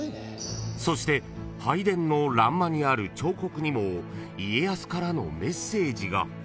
［そして拝殿の欄間にある彫刻にも家康からのメッセージが］